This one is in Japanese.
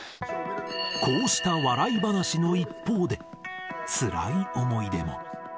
こうした笑い話の一方で、つらい思い出も。